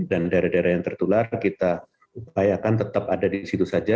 dan daerah daerah yang tertular kita upayakan tetap ada di situ saja